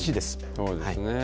そうですね。